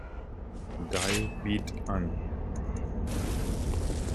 Dai Viet an.